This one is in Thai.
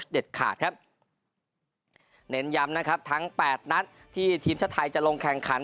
ขาดครับเน้นย้ำนะครับทั้งแปดนัดที่ทีมชาติไทยจะลงแข่งขัน